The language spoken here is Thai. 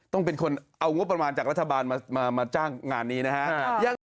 ต้องเป็นคนเอางบประมาณจากรัฐบาลมาจ้างงานนี้นะฮะ